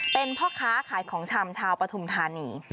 เป็นพ่อค้าขายของชำชาวปฐุมธานี